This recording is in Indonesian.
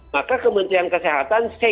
maka kementerian kesehatan